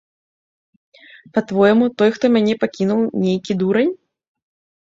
Па-твойму, той, хто мяне пакінуў, нейкі дурань?